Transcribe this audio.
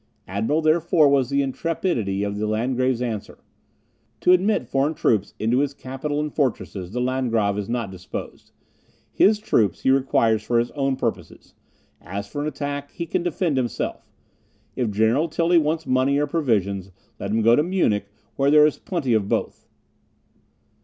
Admirable, therefore, was the intrepidity of the Landgrave's answer: "To admit foreign troops into his capital and fortresses, the Landgrave is not disposed; his troops he requires for his own purposes; as for an attack, he can defend himself. If General Tilly wants money or provisions, let him go to Munich, where there is plenty of both."